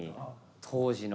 当時の。